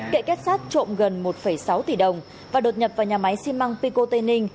kệ kết sát trộm gần một sáu tỷ đồng và đột nhập vào nhà máy xi măng pico tây ninh